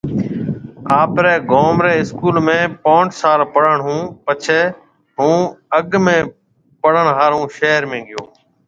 آپري گوم ري اسڪول ۾ پونچ سال پڙهڻ هُون پڇي هَون اڳ ۾ پڙهڻ هارو شهر ۾ گيو